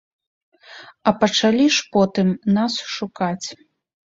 А пачалі ж потым нас шукаць.